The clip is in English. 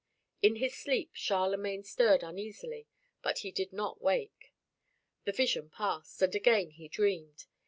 In his sleep Charlemagne stirred uneasily, but he did not wake. The vision passed, and again he dreamed.